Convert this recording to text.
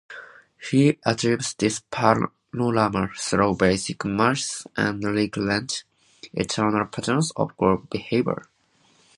He achieves this panorama through basic myths and recurrent, eternal patterns of group behavior.